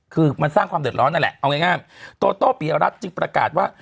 คือมันสร้างความเดือดร้อนนั่นแหละเอาง่ายโตโต้ปียรัฐจึงประกาศว่า